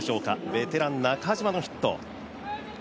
ベテラン・中島のヒット。